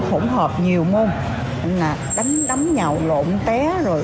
khi mà ra thôi